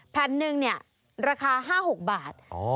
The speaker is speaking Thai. แผ่นหนึ่งเนี่ยราคา๕๖บาท